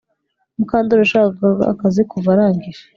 Mukandoli yashakaga akazi kuva arangije